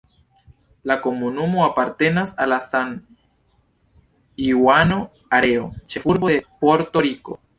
La komunumo apartenas al la San-Juano areo, ĉefurbo de Porto-Riko.